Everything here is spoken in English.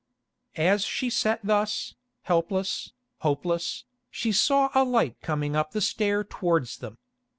As she sat thus, helpless, hopeless, she saw a light coming up the stair towards them.